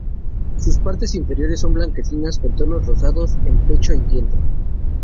Sus partes inferiores son blanquecinas, con tonos rosados en pecho y vientre.